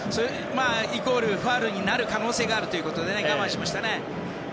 イコールファウルになる可能性があるということで我慢しましたね。